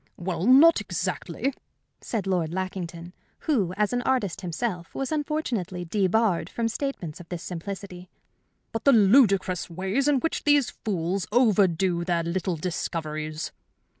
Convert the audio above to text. "Well, not exactly," said Lord Lackington, who, as an artist himself, was unfortunately debarred from statements of this simplicity. "But the ludicrous way in which these fools overdo their little discoveries!"